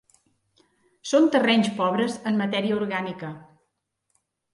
Són terrenys pobres en matèria orgànica.